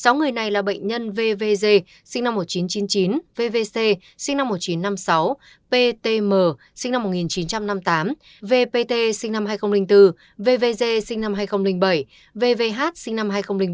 sáu người này là bệnh nhân vvg sinh năm một nghìn chín trăm chín mươi chín